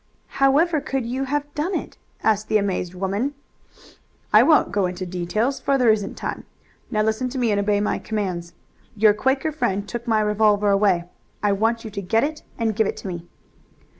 "However could you have done it?" asked the amazed woman. "I won't go into details, for there isn't time. Now listen to me and obey my commands. Your Quaker friend took my revolver away. I want you to get it and give it to me."